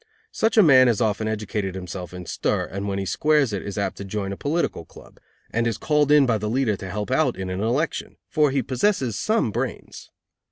Such a man has often educated himself in stir, and, when he squares it, is apt to join a political club, and is called in by the leader to help out in an election, for he possesses some brains.